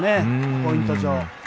ポイント上。